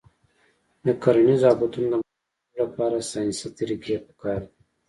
د کرنیزو آفتونو د معلومولو لپاره ساینسي طریقې پکار دي.